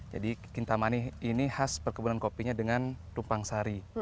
jadi kintamani ini khas perkebunan kopinya dengan tupang sari